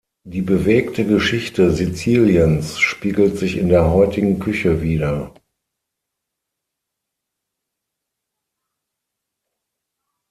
Die bewegte Geschichte Siziliens spiegelt sich in der heutigen Küche wider.